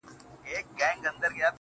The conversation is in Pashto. ه په سندرو کي دي مينه را ښودلې.